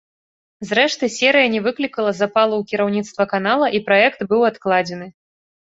Зрэшты, серыя не выклікала запалу ў кіраўніцтва канала, і праект быў адкладзены.